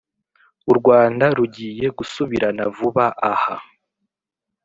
u rwanda rugiye gusubirana vuba aha